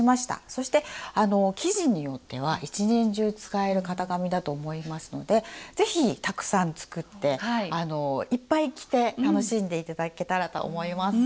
そして生地によっては一年中使える型紙だと思いますので是非たくさん作っていっぱい着て楽しんで頂けたらと思います。